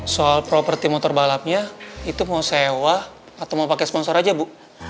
soal properti motor balapnya itu mau sewa atau mau pakai sponsor aja bu